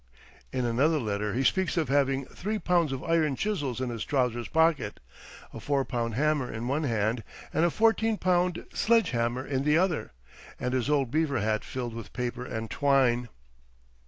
In another letter he speaks of having "three pounds of iron chisels in his trousers pocket, a four pound hammer in one hand and a fourteen pound sledge hammer in the other, and his old beaver hat filled with paper and twine."